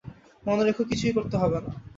মনে রেখো, কিছুই করতে হবে না।